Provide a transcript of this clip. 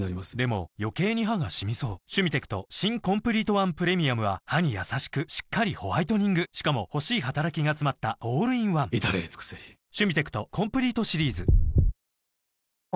余計に歯がシミそう「シュミテクト新コンプリートワンプレミアム」は歯にやさしくしっかりホワイトニングしかも欲しい働きがつまったオールインワン至れり尽せりますますお店の生